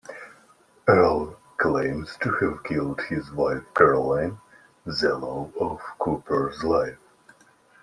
Earle claims to have killed his wife Caroline, the love of Cooper's life.